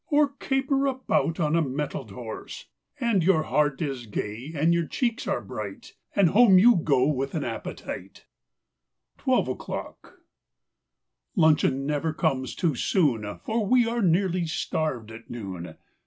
Or caper about on a mettled horse! And your heart is gay and your cheeks are bright— And home you go with an appetite! 21 ELEVEN O'CLOCK 23 TWELVE O'CLOCK 1 UNCHEON never comes too soon, J Eor we are nearly starved at noon!